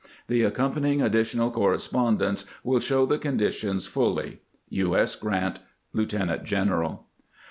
The accompanying additional correspondence will show the conditions fully. U. S. Grant, Lieutenant general.